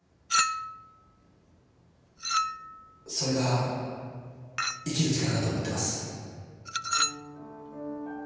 それが生きる力だと思ってます。